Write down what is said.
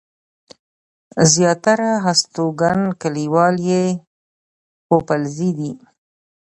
زياتره هستوګن کلیوال يې پوپلزي دي.